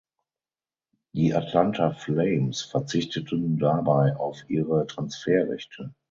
Die Atlanta Flames verzichteten dabei auf ihre Transferrechte.